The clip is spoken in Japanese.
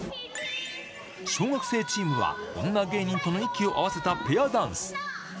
小学生チームは、女芸人との息を合わせたペアダンス。